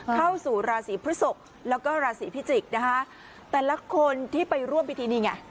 เข้าสู่ราศีพฤศกแล้วก็ราศีพิจิกษ์นะคะแต่ละคนที่ไปร่วมพิธีนี่ไง